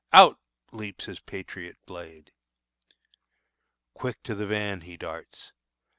Out leaps his patriot blade! Quick to the van he darts.